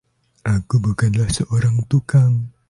Aku bukanlah seorang tukang.